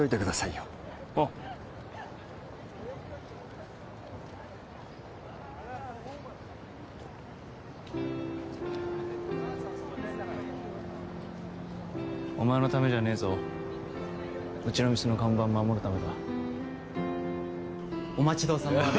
よおうお前のためじゃねえぞうちの店の看板守るためだお待ちどおさまです